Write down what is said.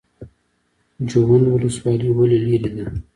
جوند ولسوالۍ ولې لیرې ده؟